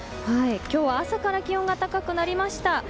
今日は朝から気温が高くなりました。